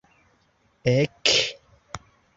ek